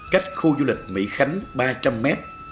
cách khu du lịch mỹ khánh ba trăm linh mét